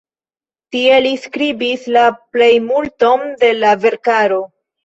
Tie li skribis la plejmulton de la verkaro.